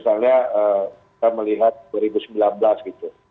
saya melihat dua ribu sembilan belas gitu